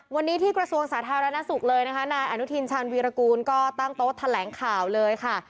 วันนี้ที่กระทรวงสาธารณสุขเลยนะคะนายอนุทินชาญวีรกูลก็ตั้งโต๊ะแถลงข่าวเลยค่ะ